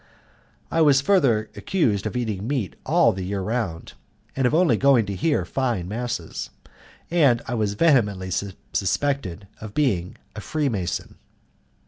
I was further accused of eating meat all the year round, of only going to hear fine masses, and I was vehemently suspected of being a Freemason.